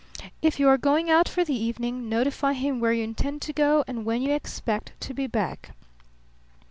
If you are going out for the evening notify him where you intend to go and when you expect to be back.